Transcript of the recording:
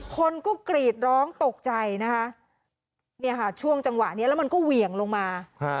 คนก็กรีดร้องตกใจนะคะเนี่ยค่ะช่วงจังหวะนี้แล้วมันก็เหวี่ยงลงมา